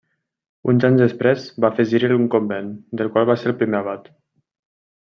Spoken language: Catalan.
Uns anys després va afegir-hi un convent del qual va ser el primer abat.